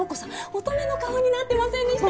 乙女の顔になってませんでした？